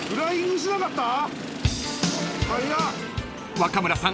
［若村さん